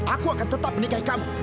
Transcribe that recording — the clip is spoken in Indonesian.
aku akan tetap menikahi kamu